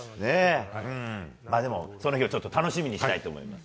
でも、その日を楽しみにしたいと思います。